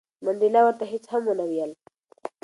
منډېلا ورته هیڅ هم ونه ویل.